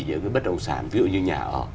những cái bất động sản ví dụ như nhà ở